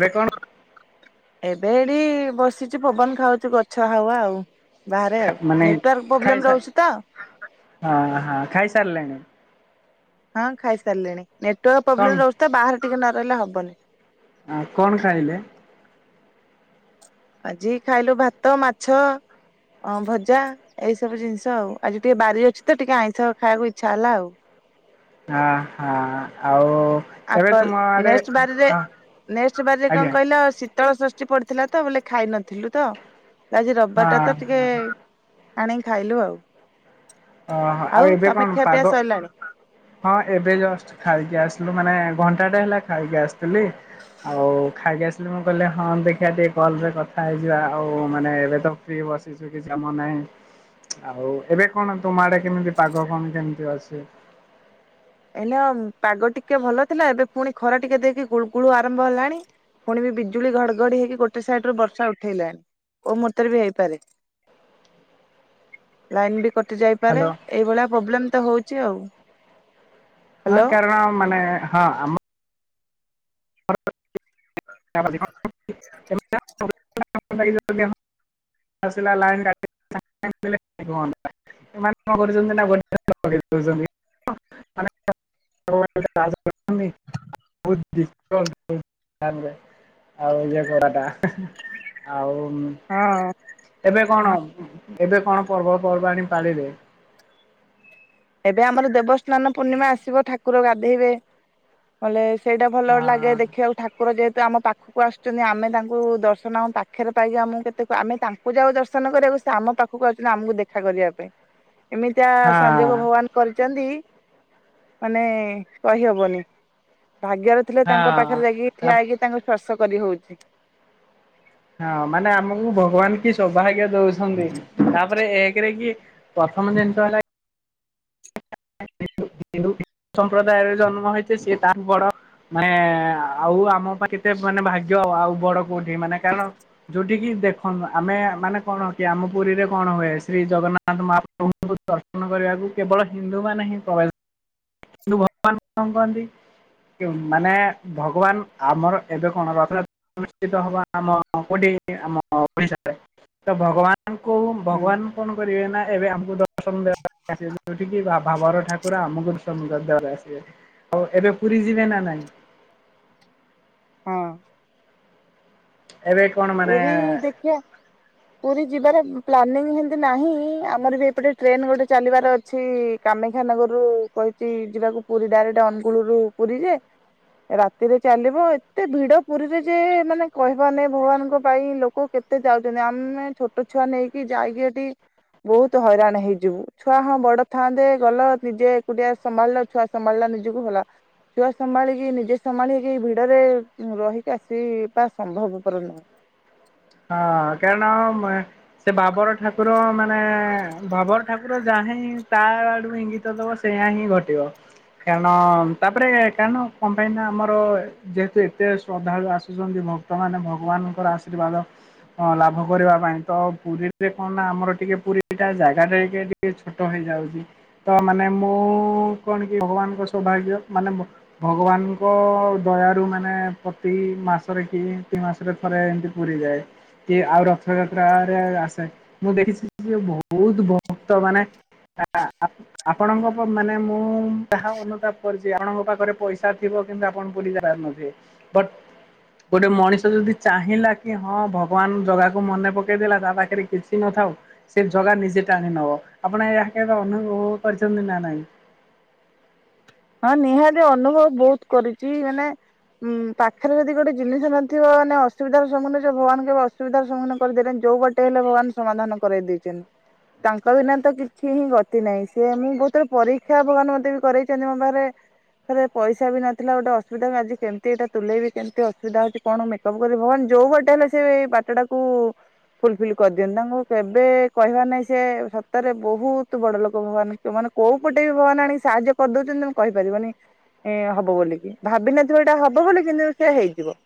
ଏବେ କଣ? ଏବେ ଏଠି ବସିଛି ପବନ ଖାଉଛୁ ଗଛ ହାୱା ଆଉ। ବାହାରେ ଆଉ ମାନେ ନେଟୱାର୍କ ପ୍ରୋବ୍ଲେମ ରହୁଛି ତ। ହାଁ ହାଁ ଖାଇ ସାରିଲେଣି। ହଁ ଖାଇସାରିଲେଣି ନେଟୱାର୍କ କଣ ପ୍ରୋବ୍ଲେମ ରହୁଚି ତ ବାହାରେ ଟିକେ ନ ରହିଲେ ହବନି। ଆ କଣ ଖାଇଲେ? ଆଜି ଖାଇଲୁ ଭାତ ମାଛ। ହଁ ଭଜା ଏହି ସବୁ ଜିନିଷ ଆଉ ଆଜି ଟିକେ ବାରି ଅଛି ତ ଟିକେ ଆଇଁଷ ଖାଇବାକୁ ଇଚ୍ଛା ହେଲା ଆଉ। ଆ ହା ଆଉ? ଏବେ ଆପଲ୍ ତୁମ ଆଡେ ନେଷ୍ଟେ ବାରିରେ ହଁ ନେଷ୍ଟେ ବାରିରେ କଅଁ ଆଜ୍ଞା। କଇଲ ସିତ୍ ସିତଳ ସଷ୍ଟି ପଡିଥିଲା ତ ବୋଲେ ଖାଇ ନଥିଲୁ ତ ଆଜି ହଁ ରିବାର ଟା ତ ଟିକେ ହଁ ଆଣିକି ଖାଇଲୁ ଆଉ। ଅ ହ ଆଉ ଏବେ ତମେ କଣ ଖିଆ ପିଆ ପାଗ? ସରିଲାଣି ହଁ ଏବେ ଜଷ୍ଟ ଖାଇକି ଆସିଲୁ ମାନେ ଘଣ୍ଟାଟା ହେଲା ଖାଇକି ଆସିଥିଲି। ଆଉ ଖାଇକି ଆସିଲି ମୁଁ କହିଲେ ହଁ ଦେଖିିବା ଟିକେ କଲରେ କଥା ହେଇଯିବା ଆଉ ମାନେ ଏବେ ତ ଫ୍ରି ବସ୍‌ କିଛି କାମ ନାହିଁ ଆଉ ଏବେ କଣ ତୁମ ଆଡେ କେମିତି ପାଗ କଣ କେମିତି ଅଛି। ଏଲୋମ ପାଗ ଟିକେ ଭଲ ଥିଲା ଏବେ ପୁଣି ଖରା ଟିକେ ଦେଇକି ଗୁଳ ଗୁଳୁ ଆରମ୍ଭ ହେଲାଣି। ପୁଣି ବି ବିଜୁଳି ଘଡଘଡି ହେଇକି ଗୋଟେ ସାଇଡୁ ରୁ ବର୍ଷା ଉଠେଇଲାଣି କୋଉ ମୁହୁର୍ତରେ ବି ହେଇପାରେ। ଲାଇନ ବି କଟି ଯାଇପାରେ ହ୍ୟାଲୋ ଏଇଭଳିଆ ପୋବ୍ଲେମ ତ ହଉଛି ଆଉ। ହଁ ହ୍ୟାଲୋ। କାରଣ ମାନେ ହଁ ଆମ [unintelligible] ଆସିଲା ଲାଇନ୍ କାଟି [unintelligible] ମାନେ କଣ କରୁଛନ୍ତି ନା [unintelligible] [unintelligible] ଆଉ ଇଏ ଗରା ଟା ଆଉ ହଁ। ଏବେ କଣ ଏବେ କଣ ପର୍ବପର୍ବାଣୀ ପାଳିଲେ? ଏବେ ଆମର ଦେବସ୍ନାନ ପୂର୍ଣ୍ଣିମା ଆସିବ ଠାକୁର ଗାଧେଇବେ। ଵଲେ ସେଇଟା ଭଲ ହଁ ଲାଗେ ଦେଖିବାକୁ। ଠାକୁର ଯେହେତୁ ଆମ ପାଖକୁ ଆସୁଛନ୍ତି ଆମେ ତାଙ୍କୁ ଦର୍ଶନ ପାଖରେ ପାଇବା ଆମକୁ କେତେ ଆମେ ତା ପୂଜାକୁ ଦର୍ଶନ କରିବାକୁ ସେ ଆମ ପାଖକୁ ଆଉଚନ୍ତି ଆମକୁ ଦେଖା କରିବା ପାଇଁ ଏମିତିଆ ହଁ ସ ମାନେ କରିଛନ୍ତି ମାନେ କହିହିହବନି ଭାଗ୍ୟରେ ଥିଲେ ହଁ ତାଙ୍କ ପାଖରେ ଯାଇକି ତା ଠିଆ ହେଇକି ତାଙ୍କୁ ସ୍ପର୍ସ କରିହଉଛି। ହଁ ମାନେ ଆମକୁ ଭଗବାନ କି ସୌଭାଗ୍ୟ ଦଉସନ୍ତି ତାପରେ ଏକରେ କି ପ୍ରଥମ ଜିନିଷ ହେଲା ହିନ୍ଦୁ ହ ହିନ୍ଦୁ ହି ସମ୍ପ୍ରଦାୟରେ ଜନ୍ମ ହେଇଚେ ସେ ତାଠୁ ବଡ। ମାନେ ଆଉ ଆମ ପାଇଁ କେତେ ମାନେ ଭାଗ୍ୟ ଆଉ ବଡ କୋଉଠି ମାନେ କାରଣ ଯୋଉଠି କିି ଦେଖନ୍ତୁ ଆମେ ମାନେ କଣ ହଉଚି ଆମ ପୁରୀରେ କଣ ହୁଏ ଶ୍ରୀ ଜଗନ୍ନା ମହାପ୍ରଭୁଙ୍କୁ ଦର୍ଶନ କରିବାକୁ କେବଳ ହିନ୍ଦୁମାନେ ହିଁ ପ୍ରବେଶ କିନ୍ତୁ ବର୍ତ୍ତମାନ କଅଁ କୁହନ୍ତି। ମାନେ ଭଗବାନ ଆମର ଏବେ କଣ ରଥଯା ଅନୁଷ୍ଠିତ ହବା ଆମ କୋଟି ଆମ ଓଡିଶାରେ। ତ ଭଗବାନ କୁ ହଁ ଭଗବାନ କଣ କରିବେ ନା ଏବେ ଆମକୁ ଦର୍ଶନ ଦେବା ଯୋଉଠ [unintelligible] କିି ବା ବଡ ଠାକୁର ଆମକୁ ତମ୍ ଦାଦା ଘର ଆସିବେ ଆଉ ଏବେ ପୁରୀ ଯିବେ ନା ନାଇଁ। ହଁ। ଏବେ କଣ ମାନେ ପୁରୀ ଦେଖିଆ ପୁରୀ ଯିବାର ପ୍ଲାନିଂ ହେମତି ନାହିଁ ଆମର ବି ଏପଟେ ଟ୍ରେନ ଗୋଟେ ଚାଲିବାର ଅଛି। କାମାକ୍ଷାନଗରରୁୁ କହିଛି ଯିବାକୁ ପୁରୀ ଡାଇରେକ୍ଟ୍ ଅନୁଗୁଳୁରୁୁ ପୁରୀ ଯେ ରାତିରେ ଚାଲିବ ଏତେ ଭିଡ ପୁରୀରେ ଯେ ମାନେ କହିବା ନାଇ ଭଗବାନ ଭୁ ଙ୍କ ପାଇଁ ଲୋକ କେତେ ଯାଉଛନ୍ତି ଆମେ ଛୋଟ ଛୁଆ ନେଇକି ଯାଇକି ଏଠି ବହୁତ୍ ହଇରାଣ ହେଇଯିବୁ ଛୁଆ ହଁ ବଡ ଥାଆନ୍ତେ ଗଲ ନିଜେ ଏକୁଟିଆ ସମ୍ଭାଲିଳ ଛୁଆ ସମ୍ଭାଳିଲା ନିଜକୁ ହେଲା। ଛୁଆ ସମ୍ଭାଳିକି ନିଜେ ସମ୍ଭାଳିକି ଭିଡରେ ରହିକି ଆସିବା ସମ୍ଭବପର ନୁହଁ। ହଁ କେନ ସେ ବା ବଡ ଠାକୁର ମାନେ ଭାବର ଠାକୁର ଯା ହିଁ ତା ଆଡୁ ଇଙ୍ଗିତ ଦବ ସେଇୟା ହିଁ ଘଟିବ। କାରଣ ତାପରେ କାରଣ କଣ ପାଇଁ ନା ଆମର ଯେହେତୁ ଏତେ ଶ୍ରଦ୍ଧାଳୁ ଆସୁଛନ୍ତି ଭକ୍ତମାନେ ଭଗବାନଙ୍କର ଆଶୀର୍ବାଦ। ହଁ ଲାଭ କରିବା ପାଇଁ ତ ପୁରୀରେ କଣ ନା ଆମର ଟିକେ ପୁରୀ ଟା ଜାଗା ଦେଇକି ଟିକେ ଛୋଟ ହେଇଯାଉଛି ତ ମାନେ ମୁଁ କଣ କି ଭଗବାନଙ୍କ ସୌଭାଗ୍ୟ ମାନେ ମ ଭଗବାନଙ୍କ ଦୟାରୁ ମାନେ ପ୍ରତି ମାସରେ କି ଦି ମାସରେ ଥରେ ଏମିତି ପୁରୀ ଯାଏ। କି ଆଉ ରଥଯାତ୍ରାରେ ଆସେ ମୁଁ ଦେଖିଛି ଯେ ବହୁତ୍ ଭକ୍ତ ମାନେ ଆ ଆ ଆପଣଙ୍କ ମାନେ ମୁଁ ଯାହା ଅନୁତାପ କରିଛି ଆପଣଙ୍କ ପାଖରେ ପଇସ ପଇସା ଥିବ କିନ୍ତୁ ଆପଣ ପୁରୀ ଯାଇପାରୁନଥିବେ ବଟ୍ ଗୋଟେ ମଣିଷ ଯଦି ଚାହିଁଲା କି ହଁ ଭ ଭଗବାନ ଜଗାକୁ ମନେ ପକେଇ ଦେଲା ତା ପାଖରେ କିଛି ନଥାଉ। ସେ ଜଗା ନିଜେ ଟାଣି ନବ ଆପଣ ଏହା କେବେ ଅନୁଭବ କରିଛନ୍ତି ନା ନାଇଁ? ହଁ ନିହାତି ଅନୁଭବ ବହୁତ୍ କରିଛି ମାନେ ହୁଁ ପାଖରେ ଯଦି ଗୋଟେ ଜିନିଷ ନଥିବ ମାନେ ଅସୁବିଧାର ସମ୍ମୁଖୀନ ରେ ଯିବ ଭଗବାନ କେବେ ଅସୁ ସୁବିଧାର ସମ୍ମୁଖୀନ କରିଦେଲେନି ଯୋଉ ବାଟେ ହେଲେ ଭଗବାନ ସମାଧାନ କରେଇ ଦେଇଛନ୍ତି। ତାଙ୍କ ବିନା ତ କିଛି ହିଁ ଗତି ନାହିଁ ସେ ମୁଁ ବହୁତ ପରୀକ୍ଷା ଭଗବାନ ମତେ ବି କରେଇ [unintelligible] ମୋ ପାଖରେ ପାଖରେ ପଇସା ବି ନଥିଲା ଗୋଟେ ଅସୁବିଧା ଆଜି କେମିତି ଏଟା ତୁଲେଇି ବି କେମତି ଅସୁବିଧା ହଉଛି କଣ ମେ ସବୁ କରି ଭଗବାନ ଯୋଉ ବାଟେ ହେଲେ ସେ ବାଟଟାକୁ ଫୁଲଫିଲ୍ କରିଦିଅନ୍ତି ତାଙ୍କୁ କେବେ କହିବା ନାଇଁ ସେ ସତରେ ବହୁତ୍ ବଡ ଲୋକ ଭଗବାନ୍ ତ ମାନେ କୋଉ ପଟେ ବି ଭାଗବାନ୍ ଆଣି ସାହାଯ୍ୟ କରିଦଉଛନ୍ତି ତମ କହିପାରିବନି ଏ ହବ ବୋଲି କି ଭାବିିନଥିବ ଏଇଟା ହବ ବୋଲି କିନ୍ତୁ ସେ ହେଇଯିବ।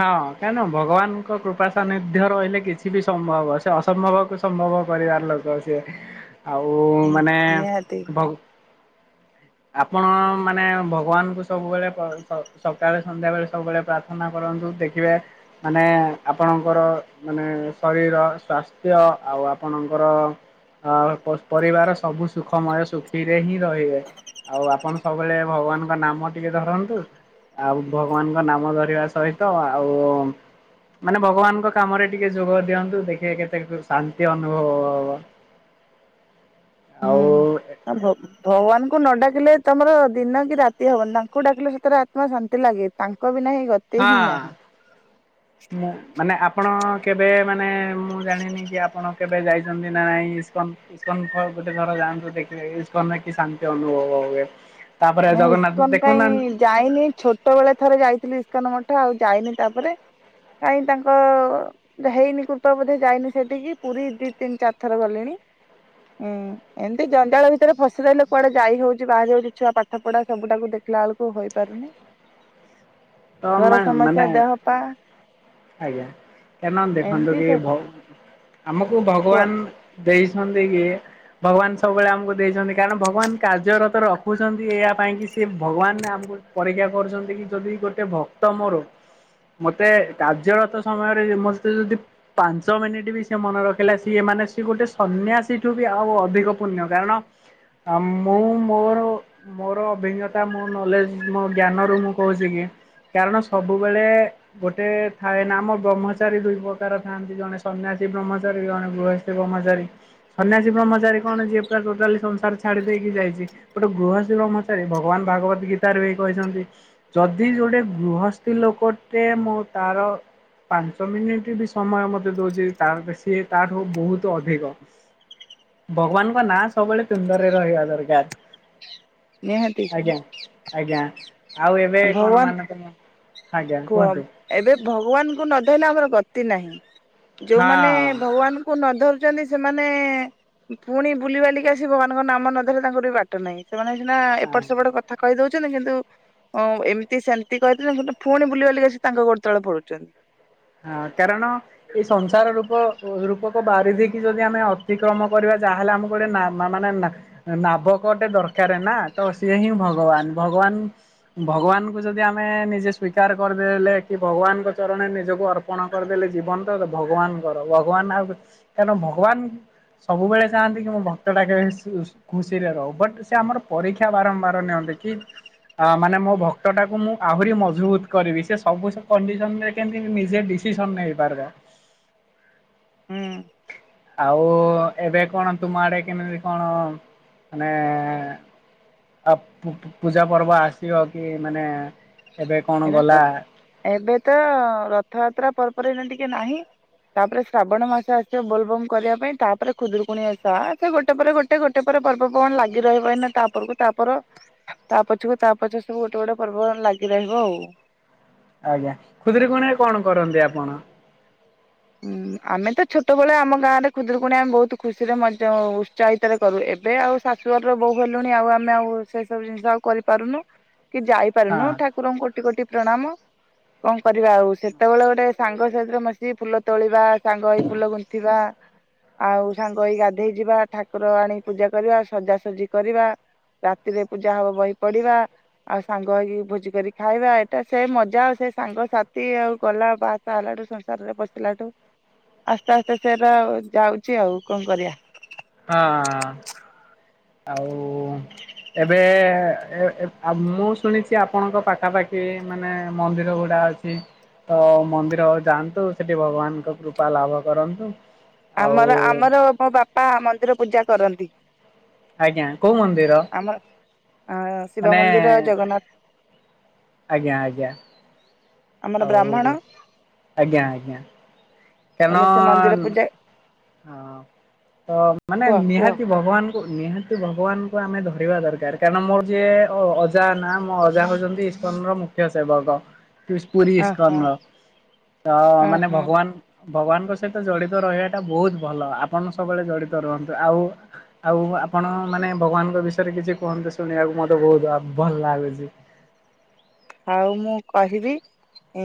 ହଁ କାହିଁ ନା ଭଗବାନଙ୍କ କୃପା ସାନିଧ୍ୟ ରହିଲେ କିଛି ବି ସମ୍ଭବ ସେ ଅସମ୍ଭବ କୁ ସମ୍ଭବ କରିବାର ଲୋକ ସିଏ। ଆଉ ମାନେ ନିହାତି। ଭ ଆପଣ ମାନେ ଭଗବାନଙ୍କୁ ସବୁବେଳେ ସ ସକାଳେ ସନ୍ଧ୍ୟା ବେଳେ ସବୁବେଳେ ପ୍ରାର୍ଥନା କରନ୍ତୁ ଦେଖିବେ ମାନେ ଆପଣଙ୍କର ମାନେ ଶରିର ସ୍ୱାସ୍ଥ୍ୟ ଆଉ ଆପଣଙ୍କର। ଆଁ ପରିବାର ସବୁ ସୁଖମୟ ସୁଖୀରେ ହିଁ ରହିବେ। ଆଉ ଆପଣ ସବୁବେଳେ ଭଗବାନଙ୍କ ନାମ ଟିକେ ଧରନ୍ତୁ ଆଉ ଭଗବାନଙ୍କ ନାମ ଧରିବା ସହିତ ଆଉ ମାନେ ଭଗବାନଙ୍କ କାମରେ ଟିକେ ଯୋଗ ଦିଅନ୍ତୁ ଦେଖିବେ କେତେ ଶାନ୍ତି ଅନୁଭବ ହ ହବ। ହୁଁ। ଆଉ ଆ [unintelligible] ଭଗବାନଙ୍କୁ ନ ଡାକିଲେ ତମର ଦିନ କି ରାତି ହବନି ତାଙ୍କୁ ଡାକିଲେ ସେଥିରେ ଆତ୍ମା ଶାନ୍ତି ଲାଗେ ତାଙ୍କ ବିନା ହିଁ ଗ ହଁ। ମୁଁ ମାନେ ଆପଣ କେବେ ମାନେ ମୁଁ ଜାଣିନି କି ଆପଣ କେବେ ଯାଇ ଛନ୍ତି ନା ନାଇଁ ଇସ୍କନ୍ ଈସ୍କନ ଥ ଗୋଟେ ଥର ଯାଆନ୍ତୁ ଦେଖିବେ ଈସ୍କନରେ କି ଶାନ୍ତି ଅନୁଭବ ବ ହୁଏ। ତାପରେ ନାଇଁ ଜଗନ୍ନାଥ ଇସ୍କନ କାଇଁ ଦେଖୁନାଆ ଯାଇନି ଛୋଟ ବେଳେ ଥରେ ଯାଇଥିଲି ଇସ୍କନ ମଠ ଆଉ ଯାଇନି ତାପରେ କାହିଁ ତାଙ୍କ ହେଇନି କୃପା ବୋଧେ ଯାଇନି ସେଠିକି ପୁରୀ ଦି ତିନି ଚାରି ଥର ଗଲିଣି। ହୁଁ ଏମିତି ଜଞ୍ଜାଳ ଭିତରେ ଫସିି ରହଲେ କୁଆଡେ ଯାଇ ହଉଛି ବାହାରି ହଉଛି ଛୁଆ ପା ପାଠ ପଢା ସବୁଟାକୁ ଦେଖିଲା ବେଳକୁ ହୋଇପାରୁନି। ତ ମା ମାନେ ଦେହ ପା ଆଜ୍ଞା କାରଣ ଦେଖନ୍ତୁ ଏମିତି କି ଭ ଆମକୁ କୁହ ଭଗବାନ ଦେଇଛନ୍ତି କି ଭଗବାନ ସବୁବେଳେ ଆମକୁ ଦେଇଛନ୍ତି କାରଣ ଭଗବାନ କାର୍ଯ୍ୟରତ ର ଦେଖୁଛନ୍ତି ଏହା ପାଇଁ କି ସେ ଭଗବାନ ଆମକୁ ପରୀକ୍ଷା କରୁଛନ୍ତି କି ଯଦି ଗୋଟେ ଭକ୍ତ ମୋର ମତେ କାର୍ଯ୍ୟରତ ସମୟରେ ମ ସହିତ ଯଦି ପାଞ୍ଚ ମିନିଟ ବି ସେ ମନେ ରଖିଲା ସିଏ ମାନେ ସେ ଗୋଟେ ସନ୍ନ୍ୟାସୀଠୁ ବି ଆଉ ଅଧିକ ପୁଣ୍ୟ କାରଣ ଆ ମୁଁ ମୋର ମୋର ଅଭିଜ୍ଞତା ମୋ ନଲେଜ ମୋ ଜ୍ଞାନରୁ ମୁଁ କହୁଛି କି କାରଣ ସବୁବେଳେ ଗୋଟେ ଥାଏ ନା ଆମ ବ୍ରହ୍ମଚାରୀ ଦୁଇ ପ୍ରକାର ଥାଆନ୍ତି ଜଣେ ସନ୍ୟାସୀ ବ୍ରହ୍ମଚାରୀ ଜଣେ ଗୃହୀ ବ୍ର୍ମଚାରୀ ସନ୍ୟାସି ବ୍ରହ୍ମଚାରୀ କଣ ଯିଏ ପ ଟୋଟାଲି ସଂସାର ଛାଡ଼ି ଦେଇକି ଯାଇଛି ଗୋଟେ ଗୃହସ୍ଥୀ ବ୍ମଚାରୀ ଭଗବାନ ଭାଗବତ ଗୀତାରୁ ବି କହିଛନ୍ତି ଯଦି ଯୋଉଟେ ଗୃହସ୍ଥ ଲୋକଟେ ମୁଁ ତାର ପାଞ୍ଚ ମିନିଟ ବି ସମୟ ମତେ ଦଉଛି ତା ସିଏ ତାଠୁ ବହୁତ ଅଧିକ ଭଗବାନଙ୍କ ନାଁ ସବୁବେଳେ ତୁଣ୍ଡରେ ରହିବା ଦରକାର। ନିହାତି ଆଜ୍ଞା ଆଜ୍ଞା ଆଉ ଏବେ କଣ ଭଗବାନ ମାନ ତମ ଆଜ୍ଞା କୁହ କୁହନ୍ତୁ ଏବେ ଭଗବାନଙ୍କୁ ନଧଇଲେ ଆମର ଗତି ନାହିଁ ଯୋଉମାନେ ହଁ ଭଗବାନ କୁ ନ ଧରୁଛନ୍ତି ସେମାନେ ପୁଣି ବୁଲିିବାଲିକି ଆସି ଭଗବାନଙ୍କ ନାମ ନ ଧରେ ତାଙ୍କର ବି ବା ଟ ନାହିଁ ସେମାନେ ସିନା ଏପଟ ସେପଟ କଥା କହି ଦଉଛନ୍ତି କିନ୍ତୁ ଅ ଏମିତି ସେମିତି କହିଦେଉଛନ୍ତି କିନ୍ତୁ ଫୁଣି ବୁଲି ବାଲିକି ଆସି ତାଙ୍କ ଗୋଡ ତଳେ ପଡୁଛନ୍ତି। ହଁ କାରଣ ଏଇ ସଂସାର ରୂପ ରୂପକ ବାରି ଧିକି ଯଦି ଆମେ ଅତିକ୍ରମ କରିବା ଯାହେଲେ ଆମକୁ ପରେ ନା ମା ମାନେ ନା ନାବକଟେ ଦରକାର ନା ତ ସିଏ ହିଁ ଭଗବାନ ଭଗବାନ ଭଗବାନଙ୍କୁ ଯଦି ଆମେ ନିଜେ ସ୍ଵିକାର କରିଦେଲେ କି ଭଗବାନଙ୍କ ଚରଣରେ ନିଜ କୁ ଅର୍ପଣ କରିଦେଲେ ଜୀବନ ତ ଭଗବାନଙ୍କର ଭଗବାନ ଆଉ କାରଣ ଭଗବାନ ସବୁବେଳେ ଚାହାଆନ୍ତି କି ମୋ ଭକ୍ତଟ ଟା କେବେ ଖୁସିରେ ରହୁ ବଟ୍ ସେ ଆମର ପରୀକ୍ଷା ବାରମ୍ବାର ନିଅନ୍ତି କି ଅ ମାନେ ମୋ ଭକ୍ତଟାକୁ ମୁଁ ଆହୁରି ମଜବୁତ କରିବି ସେ ସବୁ କଣ୍ଡିସନ ରେ କେନ୍ତି କି ନିଜେ ଡିସିସନ୍‌ ନେଇପାରିବା। ହୁଁ। ଆଉ ଏବେ କଣ ତୁମ ଆଡେ କେମିତି କଣ ମାନେ ଆଉ ପୂଜା ପର୍ବ ଆସିବ କି ମାନେ ଏବେ କଣ ଗଲା ଏବେ ତ ରଥଯାତ୍ରା ପରେ ପରେ ଏଇନେ ଟିକେ ନାହିଁ। ତାପରେ ଶ୍ରାବଣ ମାସ ଆସିବ ବୋଲ ବମ୍ କରିବା ପାଇଁ ତାପରେ ଖୁଦୁୁରୁକୁଣୀ ଓଷା ସେ ଗୋଟେ ପରେ ଗୋ ଗୋଟେ ଗୋଟେ ପରେ ପର୍ବ ପର୍ବାଣୀ ଲାଗି ରହିବ ଏଇନା ତାପରକୁ ତାପର ତା ପଛକୁ ତା ପଛ ସବୁ ଗୋଟେ ଗୋଟେ ପର୍ବ ଲାଗି ରହିବ ଆଉ। ଆଜ୍ଞା ଖୁଦୁରୁକୁଣୀ କଣ କରନ୍ତି ଆପଣ? ହୁଁ ଆମେ ତ ଛୋଟବେଳେ ଆମ ଗାଁରେ ଖୁଦୁରୁକୁଣୀ ଆମେ ବହୁତ ଖୁସିରେ ମଜା ଉ ଚାହିତାରେ କରୁ ଏବେ ଆଉ ଶାଶୁଘରର ବୋଉ ହେଲୁଣି ଆଉ ଆମେ ଆଉ ସେ ସବୁ ଜିନିଷ ଆଉ କରିପାରୁନୁ। କି ହଁ ଯାଇପାରୁନୁ ଠାକୁରଙ୍କୁ କୋଟି କୋଟି ପ୍ରଣାମ କଣ କରିବା ଆଉ ସେତେବେଳେ ଗୋଟେ ସାଙ୍ଗ ସାଥିରେ ମସିକି ଫୁଲ ତୋଳିବା ସାଙ୍ଗ ହେଇ ଫୁଲ ଗୁନ୍ଥିବା ଆଉ ସାଙ୍ଗ ହେଇ ଗାଧେଇ ଯିବା ଠାକୁର ଆଣି ପୂଜା କରିବା ସଜାସଜି କରିବା। ରାତିରେ ପୂଜା ହବ ବହି ପଢ଼ିବା। ଆଉ ସାଙ୍ଗ ହେଇକି ଭୋଜି କରି ଖାଇବା ଏଇଟା ସେ ମଜା ଆଉ ସେ ସାଙ୍ଗ ସାଥି ଆଉ ଗଲା ବା ବା ହେଲାଠୁ ସଂସାରରେ ପସିଲାଠୁ ଆସ୍ତେ ଆସ୍ତେ ସେରା ଯାଉଚି ଆଉ କଣ କରିବା। ହଁ ଆଉ ଏବେ ମୁଁ ଶୁଣିଚି ଆପଣଙ୍କ ପାଖାପାଖି ମା ହେଁ ମନ୍ଦିର ଗୁଡା ଅଛି। ତ ମନ୍ଦିର ଆଉ ଯାଆନ୍ତୁ ସେଠି ଭଗବାନଙ୍କ କୃପା ଲାଭ କରନ୍ତୁ। ଆଉ ଆମର ଆମର ମୋ ବାପା ମନ୍ଦିର ପୂଜା କରନ୍ତି। ଆଜ୍ଞା କୋଉ ମନ୍ଦିର? ଆମ ଶିବ ମାନେ ମନ୍ଦିର ଜଗନ୍ନା ଆଜ୍ଞା ଆଜ୍ଞା। ଆମର ଆଉ ବ୍ରାହ୍ମଣ ଆଜ୍ଞା ଆଜ୍ଞା କାନ ବୋଲେ ସେ ମନ୍ଦିର ପୂଜା ହଁ ତ ମାନେ କୁହ କୁହ ନିହାତି ଭଗବାନଙ୍କୁ ନିହାତି ଭଗବାନଙ୍କୁ ଆମେ ଧରିବା ଦରକାର କାରଣ ମୋର ଯିଏ ଅଜା ନା ମୋ ଅଜା ହୋଉଛନ୍ତି ଫୋନ୍ ର ମୁଖ୍ୟ ସେବାଦ ପୁରୀ ଅ ହଁ ସ୍କନ ତ ଅ ମାନେ ହଁ ଭଗବାନ ଭଗବାନଙ୍କ ସହିତ ଜଡିତ ରହିବା ଏଇଟା ବହୁତ ଭଲ ଆପଣ ସବୁବେଳେ ଜଡିତ ରୁହନ୍ତୁ ଆଉ ଆଉ ଆପଣ ମାନେ ଭଗବାନଙ୍କ ବିଷୟରେ କିଛି କୁହନ୍ତୁ ଶୁଣିବାକୁ ମତେ ବହୁତ ଭଲ ଲାଗୁଚି। ଆଉ ମୁଁ କହିବି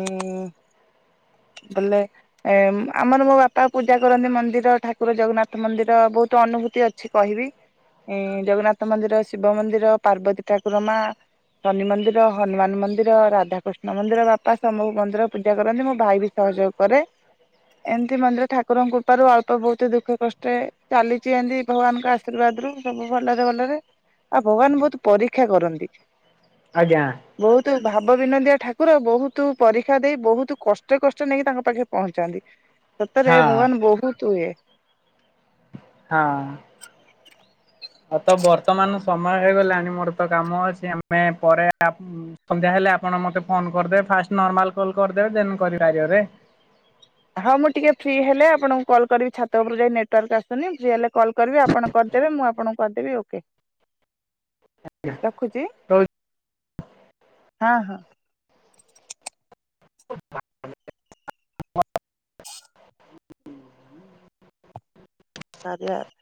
ଉଁ ବଲେ ଏ ଆମର ମୋ ବାପା ପୂଜା କରନ୍ତି ମନ୍ଦିର ଠାକୁର ଜଗନ୍ନାଥ ମନ୍ଦିର ବହୁତ ଅନୁଭୂତି ଅ କିଛି କହିବି ଜଗନ୍ନାଥ ମନ୍ଦିର ଶିବ ମନ୍ଦିର ପାର୍ବତୀ ଠାକୁର ମା ଶନି ମନ୍ଦିର ହନୁମାନ ମନ୍ଦିର ରାଧାକୃଷ୍ଣ ମନ୍ଦିର ବାପା ସମୁ ମନ୍ଦିର ପୂଜା କରନ୍ତି ମୁଁ ଭାଇ ବି ସହଯୋଗ କରେ। ଏମିତି ମନ୍ଦିର ଠାକୁରଙ୍କ କୃପାରୁ ଅଳ୍ପ ବହୁତ ଦୁଃଖ କଷ୍ଟ ଚାଲିଛି ଏମିତି ଭଗବାନଙ୍କ ଆ ଆଶୀର୍ବାଦ ରୁ ସବୁ ଭଲରେ ଭଲରେ ଆଉ ଭଗବାନ ବହୁତ ପରୀକ୍ଷା କରନ୍ତି। ଆଜ୍ଞା। ବହୁତ ଭାବ ବିନୋଦିଆ ଠାକୁର ବହୁତ ପରୀକ୍ଷା ଦେଇ ବହୁତ କ ଷ୍ଟ କଷ୍ଟ ନେଇକି ତାଙ୍କ ପାଖେ ପହଞ୍ଚାନ୍ତି ସେତରେ ହଁ ଭଗବାନ ବହୁତ ଇଏ ହଁ। ଆଉ ତ ବର୍ତ୍ତମାନ ସମୟ ହେଇଗଲାଣି ମୋର ତ କାମ ଅଛି ଆମେ ପରେ ଆ ସନ୍ଧ୍ୟା ହେଲେ ଆପଣ ମତେ ଫୋନ କରିଦେବେ ଫାଷ୍ଟ ନର୍ମାଲ କଲ୍ କରିଦେବେ ଦେନ୍ କରିଆରେ। ହଁ ମୁଁ ଟିକେ ଫ୍ରି ହେଲେ ଆପଣଙ୍କୁ କଲ କରିବି ଛାତ ଉପରେ ଯାଇ ନେଟୱାର୍କ ଆସୁନି ଫ୍ରି ହେଲେ କଲ କରିବି ଆପଣ କରିଦେବେ ମୁଁ ଆପଣଙ୍କୁ କରିଦେବି ଓକେ। ଆଜ୍ଞା। ଖୁଚି ହଁ ହଁ। ହ ହୁ କାରଆ ଆପ